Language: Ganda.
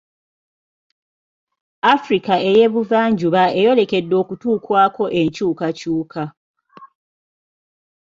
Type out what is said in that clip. Africa ey'Ebuvanjuba eyolekedde okutuukwako enkyukakyuka.